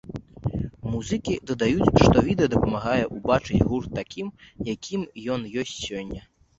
Музыкі дадаюць, што відэа дапамагае ўбачыць гурт такім, якім ён ёсць сёння.